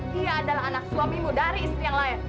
dia adalah anak suamimu dari istri yang lain